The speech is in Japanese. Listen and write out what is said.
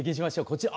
こちら。